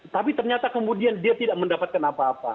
tapi ternyata kemudian dia tidak mendapatkan apa apa